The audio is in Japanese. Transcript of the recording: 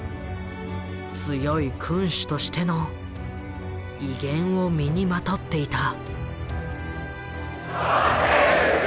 強い君主としての威厳を身にまとっていた。